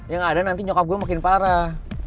ya ga ada nanti nyokap gue makin parah